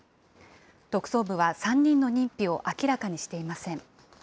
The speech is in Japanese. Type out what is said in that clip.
特捜部は３人の認否を明らかにしていません。